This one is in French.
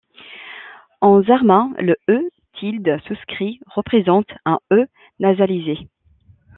En zarma, le E tilde souscrit représente un E nasalisé.